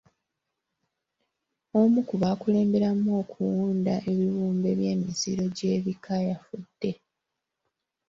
Omu ku baakulemberamu okuwunda ebibumbe by'emiziro gy'ebika yafudde.